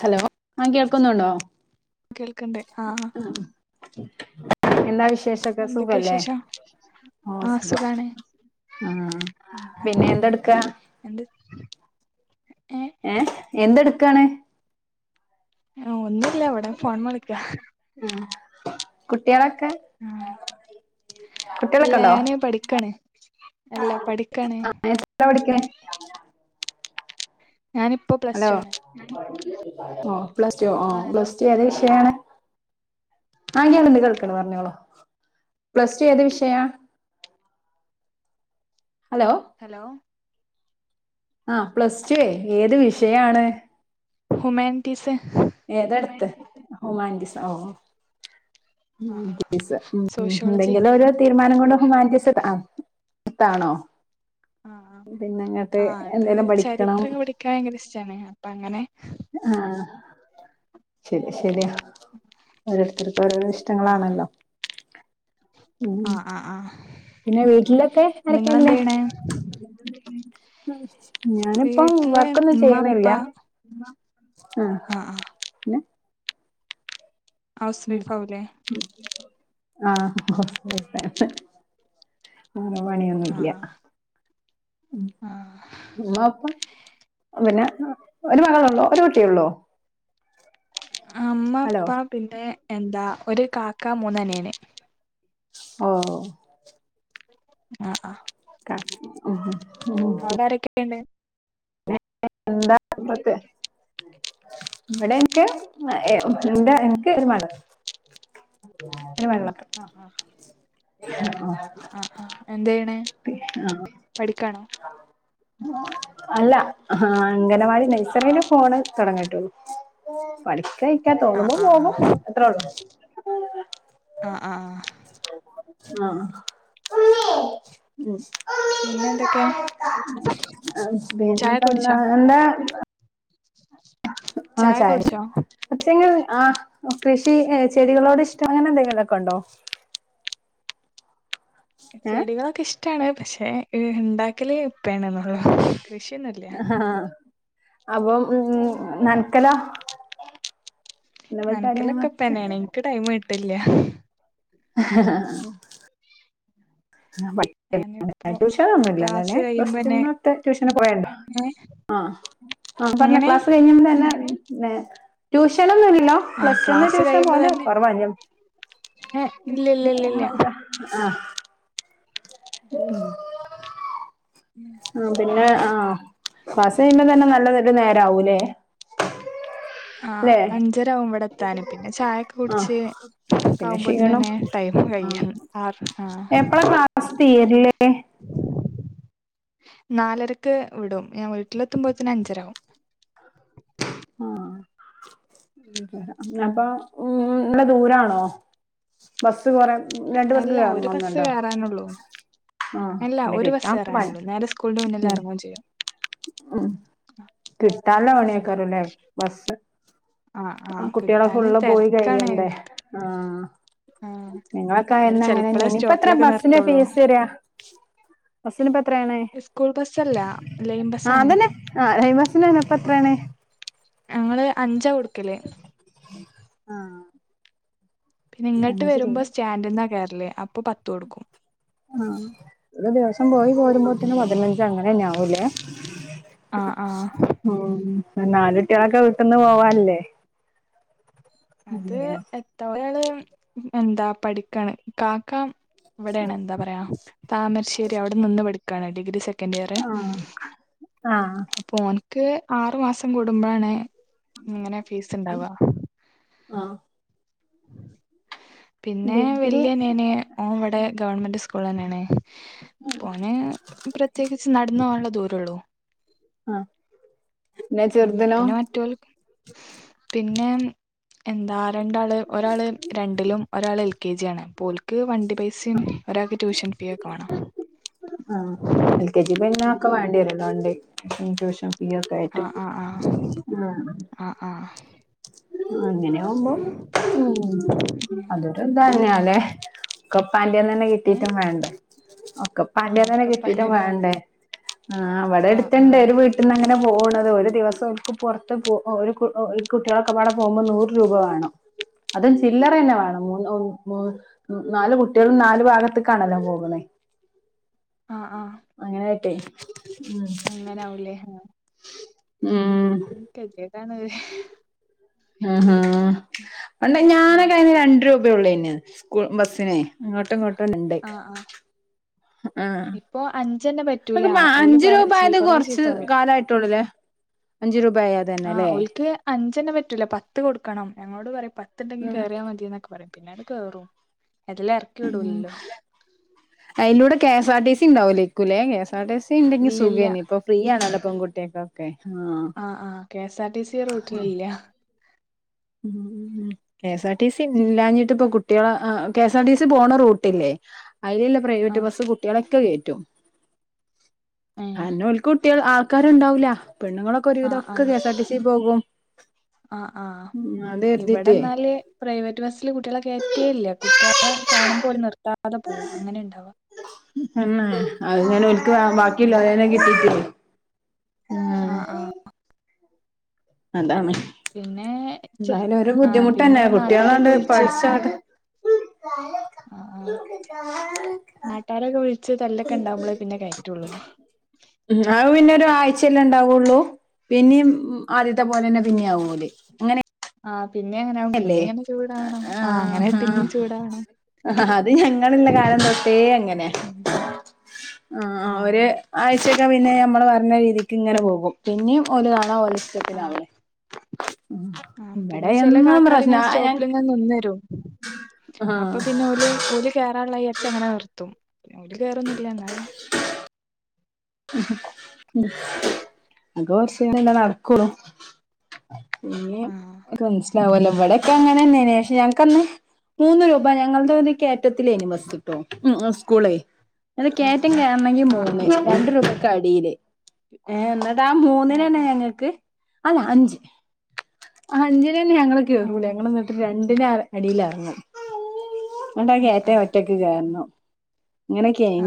Hello ആഹ് കേൾക്കുന്നുണ്ടോ കേൾക്ക്ണ്ട് ആഹ് എന്നാ വിശേഷൊക്കെ എന്തൊക്കെയ സുഖല്ലേ വിശേഷം ആഹ് സുഖം ആഹ് പിന്നെ എന്തെടുക്കാ എന്ത് ഏ ഏഹ് എന്തെടുക്കാണ് ആഹ് ഒന്നുംല്ല ഇവിട ഫോൺ വിളിക്ക ആഹ് കുട്ടികളൊക്കെ ആഹ് ഇല്ല കുട്ടികളൊക്കെ ഉണ്ടോ ഞാന് പഠിക്കാണ് ഇല്ല പഠിക്കാണ് എന്താ പഠിക്കണെ ഞാന് ഇ ഹലോ ഓ പ്ലസ് ടു ഓ ആഹ് ഹലോ പ്ലസ് ടു ഏത് കേൾക്കില്ലേ വിഷയാണ് ആഹ് ഞാനിന്ന് കേൾക്കണ പറഞ്ഞോളൂ പ്ലസ് ടു ഏത് വിഷയ ഹലോ. ഹലോ. ആഹ് പ്ലസ്ടുവേ ഏത് വിഷയാണ് ഹുമാനിറ്റീസ് ഏതെടുത്ത് ഹുമാനിറ്റിസോ ഉം ആഹ് ഉം സോഷ്യോളജി എന്തെങ്കിലും ഒരു തീരുമാനം കൊണ്ട്മാറ്റിവ സെഡ് ദ ആപ്പ് ഇതാണോ ആഹ് ആഹ് പിന്നെങ്ങാട്ട് ആഹ് അത് എന്തേലും പഠിക്കണം [unintelligible] ഭയങ്കര ഇഷ്ടാണ് അപ്പൊ അങ്ങനെ ആഹ് ശരി ശരിയാ. ഓരോരുത്തർക്കും ഓരോരോ ആഹ് ഇഷ്ടങ്ങളാണല്ലോ. ഉം ആഹ് ആഹ് ആഹ് പിന്നെ വീട്ടിലൊക്കെ ആരൊക്കെ നിങ്ങളെന്ത് ഉള്ളെ? ചെയ്യണേ ഞാനിപ്പം വീട്ടില് വർക്കൊന്നും ഉമ്മ ചെയ്യുന്നില്ല. ഉപ്പ [unintelligible] ആഹ് ആ ആ പിന്നെ? ഹൗസ് വൈഫാവൂലേ? ആഹ് ഹൗസ് വൈഫാ. അങ്ങനെ ആഹ് പണിയൊന്നൂല്ല്യാ. ആഹ് ആഹ് ഉമ്മ ഉപ്പ പിന്നെ ഒരു മകളൊള്ളോ ഒരു കുട്ടിയെള്ളോ? അമ്മ ഹലോ അപ്പാ പിന്നെ എന്താ ഒരു കാക്ക മൂന്ന് അനിയന്. ഓ ആഹ് ആഹ് [unintelligible] അവിടെ ആരൊക്കെ ഉണ്ട്? [unintelligible] [unintelligible] [unintelligible] ആഹ് ആഹ്. ആഹ്. ആഹ് ആഹ് എന്തേ [unintelligible] അല്ല ആഹ് അംഗനവാടി നഴ്സറില് പോണ് തുടങ്ങിട്ടുള്ളൂ പഠിക്കാനിരിക്കാ ആഹ് തോന്നുമ്പോ ആഹ് പോകും ആഹ് അത്രേള്ളൂ. ആഹ് ആഹ് ആഹ്. ആഹ് ഉമ്മിയേ ഉം പിന്നെ എന്തൊക്കെ ചായ കുടിച്ചോ [unintelligible] [inaudible] ആഹ് ചായ [unintelligible] ആഹ് കൃഷി ചെടികളോടി [unintelligible] അങ്ങനെന്തങ്കിലൊക്കെ ഉണ്ടോ ഏ ചെടികളൊക്കെ ഇഷ്ടാണ് പക്ഷെ ഇണ്ടാക്കല് [unintelligible] കൃഷിയൊന്നും ഇല്ല ആഹ് അപ്പം ഉം നനക്കലൊ നനക്കലൊക്കെ കാര്യങ്ങളൊക്കെ [unintelligible] എനിക്ക് ടൈമ് കിട്ടില്ല ആഹ് ഞാനിപ്പോ [unintelligible] ക്ലാസ് ട്യൂഷനൊന്നുല്ലല്ലോലെ പ്ലസ് ടു കഴിയുമ്പന്നെ ന്നൊക്കെ ട്യൂഷന് പോയണ്ടോ ഏഹ് ആഹ് ആഹ് പറഞ്ഞോ എങ്ങനെ ക്ലാസ് കഴിഞ്ഞപ്പത്തന്നെ ട്യൂഷനൊന്നും ഇല്ലല്ലോ ആഹ് പ്ലസ് വൺ ക്ലാസ് ട്യൂഷൻ കഴിയുമ്പോ തന്നെ പോവാല് ഏഹ് ഇല്ല ഇല്ല ഇല്ല ഇല്ല [unintelligible] ആഹ് ഉം ഉം ആഹ് പിന്നെ ആഹ് ക്ലാസ്സ് കഴിയ്യുമ്പോ തന്നെ നല്ല ഒരു നേരാവൂല്ലേ ആഹ് അഞ്ചര ആവും ഇവിടെ എത്താന് പിന്നെ ചായൊക്കെ ആ കുടിച്ച് പിന്നെ ക്ഷീണം ആവുമ്പോത്തന്നെ ടൈമ് ആ കഴിയ്യും ആറ് ആഹ് എപ്പഴാ ക്ലാസ് തീരില്ലേ നാലരക്ക് വിടും ഞാൻ വീട്ടിലെത്തുമ്പോഴ്ത്തേന് അഞ്ചര ആകും ആഹ് അപ്പൊ ഉം നല്ല ദൂരാണോ ബസ് കൊറേ ഉം [unintelligible] അല്ല ഒരു ബസ് കേറാനൊള്ളൂ ആ അല്ല പിന്നെ ഒരു ബസ്സ് കിട്ടാൻ പണി കേറാനൊള്ളൂ നേരെ സ്കൂളിന്റെ ഉം. മുന്നിലെറങ്ങും ചെയ്യും ഉം കിട്ടാൻ ള്ളെ പണിയേക്കാരം ല്ലേ ബസ് ആഹ് കുട്ട്യാള് ഫുള്ള് പോയി കഴിയണ്ടേ ആ ആഹ് അവിടെ നിങ്ങളൊക്കായന്ന് ചെലപ്പളേ അങ്ങനെന്നേനി ഇപ്പോ എത്ര സ്റ്റോപ്പിലൊക്കെ ബസ്സിന് നിർത്തുള്ളൂ ഫീസ് വെരാ ബസ്സിനിപ്പൊ എത്രണ് സ്കൂൾ ബസ്സല്ല ലൈൻ ആ ബസ്സാണ് അതന്നെ ലൈൻ ബസ്സിനെന്നേ ഇപ്പ എത്രേണ് ഞങ്ങള് അഞ്ചാ കൊടുക്കല് ഉം പിന്നെങ്ങട്ട് അഞ്ച് രൂപ വരുമ്പോ സ്റ്റാൻഡ്ന്നാ കേറല് അപ്പൊ പത്ത് കൊടുക്കും ആഹ് ഒരു ദിവസം പോയി പോരുമ്പോത്തിന് പതിനഞ്ച് അങ്ങനെന്നെ ആവൂലേ ആഹ് ആഹ് ഉം നാലുട്ട്യാളൊക്കെ വീട്ട്ന്ന് പോവാൻല്ലേ അത് എത്ത ഒരാള് എന്താ പഠിക്കാണ് കാക്ക ഇവിടേണ് എന്താ പറയാ താമരശ്ശേരി അവിടെ നിന്ന് പഠിക്കാണ് ഡിഗ്രി സെ ക്കൻഡിയറ് ആഹ് ആഹ് അപ്പൊ ഓന്ക്ക് ആറു മാസം കൂടുമ്പഴാണ് ഇങ്ങനെ ഫീസ് ണ്ടാവാ ആഹ് പിന്നെ ഡിഗ്രി വല്യനിയന് ഓൻ ഇവടെ ഗവൺമെന്റ് സ്കൂളന്നേണ് അപ്പൊ ഓന് പ്ര ത്യേകിച്ച് നടന്ന് പോവാന്ള്ള ദൂരൊള്ളൂ ആഹ് പിന്നെ ഉം ചെറുതിനോ പിന്നെ മറ്റൊൾക്ക് പിന്നെ എന്താ രണ്ടാള് ഒരാള് രണ്ടിലും ഒരാള് എൽ കെ ജി ആണ് അപ്പോൽക്ക് വണ്ടി പൈസേം ഒരാക്ക് ട്യൂഷൻ ഫീ ഒക്കെ വാണം ആഹ് എൽ കെ ജി പിന്നെ ഒക്കെ വാണ്ടിവരുല്ലോ വാണ്ടി ട്യൂഷൻ ഫീ ഒക്കെ ആയിട്ട് ആഹ് ആഹ് ആഹ് ആഹ് ആഹ് ആഹ് അങ്ങനെയാവുമ്പോ ഉം ഉം അതൊരുതന്നെയാല്ലെ ആഹ് ഒക്കെ പ്പാന്റെന്നെന്നെ ഏഹ് കിട്ടിട്ടും വേണ്ടേ ഒക്കെ ആഹ് പ്പാന്റെന്നെന്നെ ഒക്കെ കിട്ടിട്ടും പണിയെന്ന് പറ വേണ്ടേ ആഹ് ഇവടെ ആഹ് എടുത്ത്ണ്ട് ആഹ് ഒരു വീട്ട ട്ട്ന്നങ്ങനെ പോവണത് ഒരു ദിവസം ഓൽക്ക് പൊറത്ത് പോ ഒരു കു ഒരു കുട്ട്യാള് ഒക്കപാടെ പോവുമ്പോൾ നൂറ് രൂപ വാണം അതും ചില്ലറന്നെ വാണം മൂന്ന് മൂ നാല് കുട്ട്യോളും നാല് ഭാഗത്ത്ക്കാണല്ലോ പോകുണേ. ആഹ് ആഹ് അങ്ങനെക്കെയ് ഉം അങ്ങനാവുല്ലേ ആ ഉം കെത്യേട് ആണ് ആഹ് ആഹ് പണ്ട് ഞാ ഉം രണ്ട് രൂപയൊള്ളെയ്ന് സ്കൂൾ ബസ്സിന് അങ്ങട്ടും ഇങ്ങട്ടും രണ്ട്. ആഹ് ഇപ്പോ അഞ്ചന്നെ പറ്റ [unintelligible] അഞ്ച് രൂപായത് കൊറച്ച് കാലായിട്ടൊള്ളു ല്ലേ അഞ്ചു രൂപ ആയ ആഹ് ഓൽക്ക് അഞ്ചെന്നെ പറ്റൂല പത്ത് കൊടുക്കണം ഞങ്ങളോട് പറയും പത്ത്ണ്ടെങ്കി ആഹ് കേറിയാമതീന്നൊക്കെ പറയും. പിന്നാണ് കേറും അയിറ്റളെ ഉം അയ്ലൂടെ K S R T C ഇണ്ടാവൂലെയ്ക്കൂലേ K S R T C ഇണ്ടെങ്കി ഇല്ല ഇല്ല സുഖയ്ന് ഇപ്പൊ ഫ്രീ ആണല്ലോ പെൺകുട്ടിയാക്കൊക്കെ ആഹ് ആഹ് ആഹ് K S R T C ഈ റൂട്ടിലില്ല. ഉം ഉം K S R T C ഇല്ലാഞ്ഞിട്ട് പ്പ കുട്ട്യാള അ K S R T C പോണ റൂട്ടില്ലേ അയ്ലില്ല പ്രൈവറ്റ് ആഹ് ബസ്സ് കുട്ട്യാളൊക്കെ കേറ്റും ഏഹ് അയ‌ന്നെ ഓൽക്ക് കുട്ട്യാ ആൾക്കാര്ണ്ടാവൂല പെണ്ണുങ്ങളൊക്കെ ഒരുവിധം ആഹ് ഒക്കെ K S R T C പോകും. ആ ആഹ് ഉം അത് കരുതിട്ടേ ഇവടെന്നാല് പ്രൈവറ്റ് ബസ്സില് കുട്ട്യാളെ കേറ്റേല്ല കുട്ട്യാളെ കാണുമ്പോ ഓല് നിർത്താതെ പോകും അങ്ങനെണ്ടാവ മ്മ് തന്നെ അത്ങ്ങനെ ഓൽക്ക് ആ ബാക്കിള്ളോലെന്നെ കിട്ടീറ്റെ ആഹ് ആഹ് അതാണ് പിന്നെ ചെ ന്തായാലും ഒരു ആ പിന്നെ ബുദ്ധിമുട്ടെന്നെ നാട്ടാരൊക്കെ കുട്ടിയാളാണ്ട് വിളിച്ച് പഠിച്ചങ്ങണ്ട് ഇ കാല എ കാ നാട്ടാരക്കെ വിളിച്ച് തല്ലൊക്കെ ഇണ്ടാവുമ്പോളേ പിന്നെ കെയറ്റൊള്ളൂ. ആ അത് പിന്നൊരാഴ്ച്ചല്ലേ ഇണ്ടാവൊള്ളൂ പിന്നിം ആദ്യത്തെ പോലെന്നെ പിന്നിയാവും ഓല് അങ്ങനെ ആ പിന്നിയങ്ങനാവും പിന്നിം അല്ലേ ഇങ്ങനെ ചൂടാവണം ആ അങ്ങനെ പിന്നിം ചൂടാവണം. ആ അഹ് അത് ഞങ്ങള്ള്ള കാലം തൊട്ടേ അങ്ങനെ ഉം ആ അവര് ആ ആഴ്ച്ചക്കെ പിന്നെ നമ്മള് പറഞ്ഞ രീതിക്ക്ങ്ങനെ പോകും പിന്നിം ഓല് കാണ ഓലെഷ്ട്ടത്തിന് ആ ആവണ്. മ്മ് ഇബടയ് കാക്കാര് ഇങ്ങനെ സ്റ്റോപ്പിലിങ്ങനെ നിന്നരും ആഹ് അപ്പൊ പിന്നെ ഓല് ഓല് കേറാള്ളതായിരിച്ച് അങ്ങനെ നിർത്തും ഓല് കേറൊന്നുല്ല്യ ഇന്നാലും [unintelligible] ഉം ഉം അത് കൊറച്ചേരല്ലേ നടക്കൊള്ളു പിന്നിം ആ [unintelligible] ണ്ടാവൊല്ലോ ഇവ്ടൊക്കെ അങ്ങനെന്നേ ആണ് പഷേ ഞങ്ങക്കന്ന് മൂന്ന് രൂപ ഞങ്ങൾത് കേറ്റത്തിലേനി ബസ്ട്ടോ ഉം ഉം സ്കൂളെ അത് ആ കേറ്റം ആ കേറണെങ്കി ആ ആ മൂന്ന് രണ്ട് രൂപക്ക് അടീല് ഏ ന്ന ട്ടാ മൂന്നിനെന്നെ ആഹ് ഞങ്ങക്ക് അല്ല അഞ്ച് ആ അഞ്ചിനെന്നെ ഞങ്ങള് ആഹ് കേറൂല ആഹ് ഞങ്ങള്ന്നിട്ട് രണ്ടിന് അടീല് എർങ്ങും. ന്ന്ട്ടാ ആഹ് കേറ്റം ആഹ് ഒറ്റക്ക് കേറണം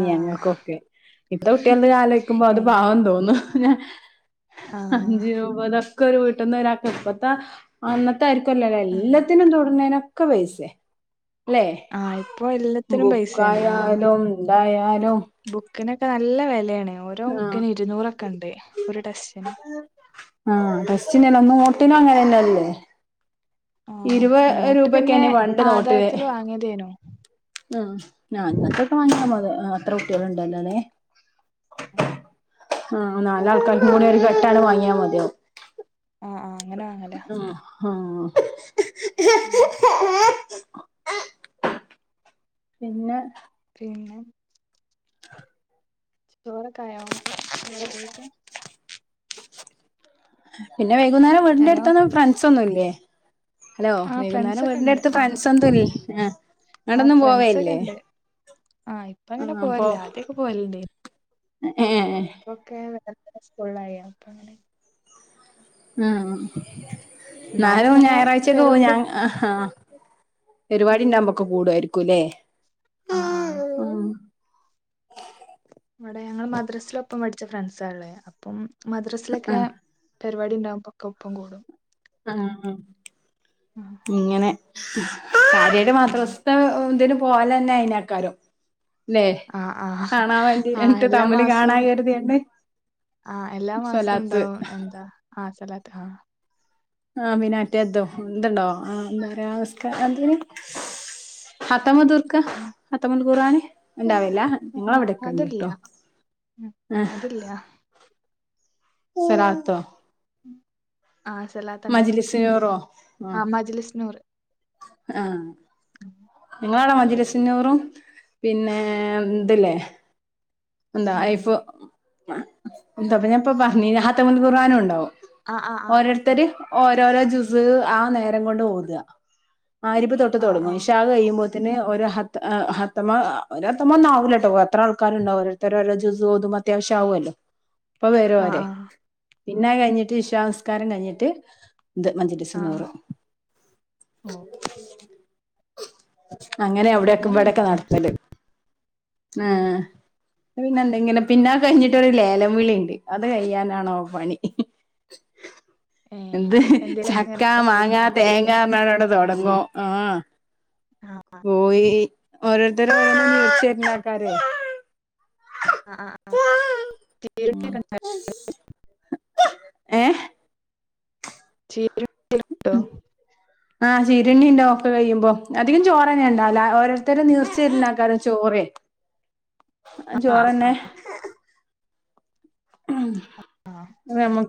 ആഹ് ആഹ് ഞങ്ങക്കൊക്കെ പ്പത്തെ കുട്ട്യൾതാലൊയ്ക്കുമ്പോ അത് ഏഹ് പാവം തോന്നും ഞാ ആഹ് അഞ്ച് രൂപതൊക്കെ ഒരു വീട്ട്ന്ന് ഒരാക്കിപ്പത്ത അന്നത്തായിരിക്കുല്ലല്ലോ ആഹ് എല്ലത്തിനും തൊടുന്നേനൊക്കെ പൈസേ? ല്ലെ ആഹ് ഇപ്പൊ എല്ലാത്തിനും പൈസയാണ് ആഹ് ബുക്കായാലും ഇതായാലും. ബുക്കിനൊക്കെ നല്ല വെലേണ് ഓരോ ആഹ് ബുക്കിന് ഇരുന്നൂറൊക്കെ ഇണ്ട് ഒരു ടെസ്റ്റിന്. ആ ടെസ്റ്റിനല്ല നോട്ടിന ങ്ങനെയന്നല്ലേ? ആഹ് ഇരുവത് നോട്ട് പിന്നെ രൂപക്കേന്നി പണ്ട് നോട്ടിന് ആദായത്തില് വാങ്ങിയതേനു ഉ ഞാ അങ്ങത്തെ വാങ്ങിയാൽ മ അത്ര കുട്ടിയാള് ഇണ്ടല്ലോ ല്ലേ? ഉം ആ നാലാൾക്കാർ കൂടി ഒരു കെട്ടാണ് വാങ്ങിയാ മതിയാവും. ആ ആഹ് അങ്ങനെ വാങ്ങല ആഹ് ആഹ് ആണ് പിന്നെ. പിന്നെ. [unintelligible] ചോറൊക്കെ ആയോ രാത്രികക്ക് പിന്നെ വെയ്കുന്നേരം വീട്ന്റെ ഹലോ അട്ത്തൊന്നും ഫ്രണ്ട്സ് ഒന്നും ഇല്ലേ ഹലോ ആഹ് വെയ്കുന്നാരം ഫ്രണ്ട്സൊക്കെ വീട്ന്റെ ഉണ്ട് അട്ത്ത് ആഹ് ഫ്രണ്ട്സൊന്നുല്ലെ ആഹ് ആഹ് ആണ്ടൊന്നും ഫ്രണ്ട്സൊക്കെ പോവലില്ലേ ഉണ്ട് ആഹ് ഇപ്പ അങ്ങനെ പോവലിലാ ആദ്യൊക്കെ പോവല്ണ്ടെയ്നി എഹ് ഏഹ് ഇപ്പൊ ഒക്കെ വേറെ വേറെ സ്കൂൾളായി അപ്പ അങ്ങനെ. ങ്‌ ഹോ എന്നാലും ന്നാലും ഇങ്ങനെ ഞായറാഴ്ചയൊക്കെ പോവും പരിപാടി ഞാ അഹ് ആഹ് പെര് വാടി ഇണ്ടാക്മ്പൊക്ക കൂടുവായിരിക്കും ല്ലേ ആഹ് ആഹ് ഇവടെ ഞങ്ങൾ മദ്രസിലൊപ്പം പഠിച്ച ഫ്രണ്ട്സാള്ളഹ് അപ്പം ആ മദ്രാസിലൊക്കെ. പെര് വാടി ഇണ്ടാവ്ബ ഒക്കെ ഒപ്പം കൂടും. ആഹ് ആഹ് ആഹ് ഇങ്ങനെ കാര്യായിട്ട് ആഹ് മദ്രസ്ത്തെ എഹ് എന്തെനും പോവലെന്നെ അയിനാക്കാരം ല്ലേ ആഹ് കാണാൻ വേണ്ടി എന്നിട്ട് തമ്മില് കാണാ കെര്തിയാണ്ട്. ആഹഹ് എല്ലാ മാസവും ഇണ്ടാവും എന്താ ആഹ് സ്വലാത്ത് ആഹ് ആഹ് പിന്നെ മറ്റേതും ഇന്ത് ണ്ടോ എഹ് മ് എന്താപറയാ നിസ്ക്കാ എന്തേനു ഹത്തമ് തീർക്ക ഹത്തമുൽ ഖുർആന് ഇണ്ടാവൽല്ല. നിങ്ങളെ അവിടെക്കെണ്ട്ട്ടോ ഏഹ് ഇല്ലാ സ്വലാത്തോ ഉം ആഹ് സെലാത്താ ഇണ്ടാവാ മജ്ലിസിനൂറോ ആഹ് മജ്ലിസ്സ്നൂറ് ആഹ് അഹ് ആഹ് ഇങ്ങളവ്ടെ മജ്‌ലിസുന്നൂറും പിന്നേ ഇന്ത്ല്ലെ എന്താ ആഹ് ഇഫു എന്താപ്പൊ ഞാപ്പൊ പർഞ്ഞിലെ ഹത്തമുൽ ഖുർആനും ഇണ്ടാവും ആഹ് ആഹ് ആഹ് ഓരോരുത്തര് ഓരോരോ ജ്യൂസ്ഹ് ആ നേരം കൊണ്ട് ഓതാ മഹ് ര്ബ് തൊട്ട് ആഹ് തൊടങ്ങും ആഹ് ഇശാഹ് കയ്യുമ്പോ ത്തിന് ഒരു ഹത്ത എഹ് ഹത്തമ് ഒര് ഹത്തമൊന്നും ആവൂലട്ടോ പ്പൊ എത്ര ആൾക്കാര് ഇണ്ടാവും ഓരോര് ത്തര് ഓരോ ജുസ്ഹ് ഓതുമ്പം അത്യാവശ്യം ആവൊല്ലോ അപ്പൊ അഹ് [unintelligible] ആഹ് ഓതേ ആഹ് പിന്നെ അത് കഴിഞ്ഞിട്ട് ഇശാഹ് നിസ്കാരം കഴിഞ്ഞിട്ട്. ഇത് ആഹ് മജ്‌ലിസ്സുന്നൂറ്. ഓഹ് അങ്ങനെ അവ്ടെ ഒക്കെ ഇബടെക്കെ നട്ത്തല് ഏഹ് ട്ട് പിന്നെ എന്തെങ്കിലും പിന്നെ അഹ് കഴിഞ്ഞ്ട്ടൊരു ലേലം വിളിണ്ട്. അത് കയ്യാനാണോ പണി ഏ എന്ത് എന്തേലൊക്കെ ചക്കാ, ഇങ്ങനെ മാങ്ങ, കൊടുക്കണ്ടാവുല്ലേ തേങ്ങാർഞ്ഞ്ങ്ങാണ്ട് ആണ്ട് തൊടങ്ങും ആഹ് ആഹ് കോഴി ഓരോര്ത്തര് ഓരോന്ന് ആണ്ട് വിൾച്ച് വെര്നആക്കാരെയ് അഹ് ആഹ് ആഹ് ആഹ് കേ ക്കെ ഉം ഇണ്ടോ ഏഹ് ശേ രും ട്ടോ ആഹ് ചിരുണി ഉണ്ടോ ഒക്കെ കഴിയുമ്പോ അധികം ചോറ തന്നെ ഉണ്ടാവില്ല ഓരോരുത്തരും നീർച്ചിരിുന്ന ആക്കാരും ചോറ് ആഹ് ജോറന്നെ ഉം, ആഹ് നമ